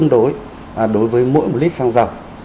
đối với mỗi một lít xăng dầu